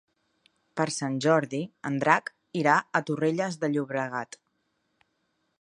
Per Sant Jordi en Drac irà a Torrelles de Llobregat.